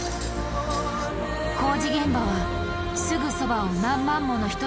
工事現場はすぐそばを何万もの